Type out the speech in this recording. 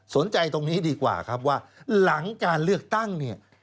ตรงนี้ดีกว่าครับว่าหลังการเลือกตั้งเนี่ย